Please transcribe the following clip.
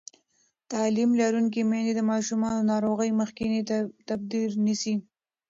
تعلیم لرونکې میندې د ماشومانو د ناروغۍ مخکینی تدبیر نیسي.